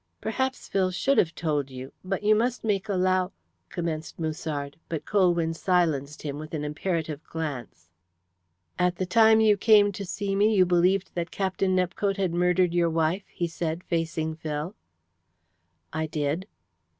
"Perhaps Phil should have told you, but you must make allow " commenced Musard. But Colwyn silenced him with an imperative glance. "At the time you came to see me, you believed that Captain Nepcote had murdered your wife?" he said, facing Phil. "I did."